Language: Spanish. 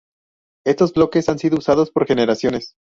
Estos bloques han sido usados por generaciones.